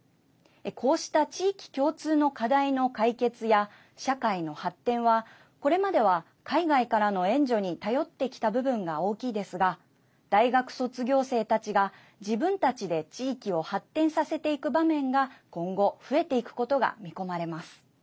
こうした地域共通の課題の解決や社会の発展はこれまでは、海外からの援助に頼ってきた部分が大きいですが大学卒業生たちが、自分たちで地域を発展させていく場面が今後、増えていくことが見込まれます。